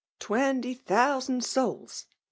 '— Twenty thousand souls !